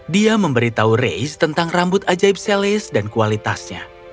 dia memberitahu reis tentang rambut ajaib selis dan kualitasnya